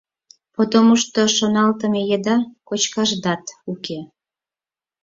— Потомушто шоналтыме еда кочкашдат уке...